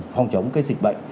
phòng chống dịch bệnh